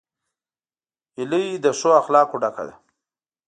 هیلۍ له ښو اخلاقو ډکه ده